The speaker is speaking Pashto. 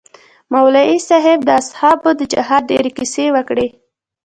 مولوي صاحب د اصحابو د جهاد ډېرې كيسې وكړې.